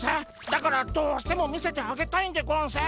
だからどうしても見せてあげたいんでゴンス。